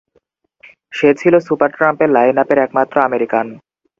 সে ছিল সুপারট্রাম্পের লাইনআপের একমাত্র আমেরিকান।